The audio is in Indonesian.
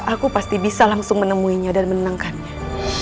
aku pasti bisa langsung menemuinya dan menangkannya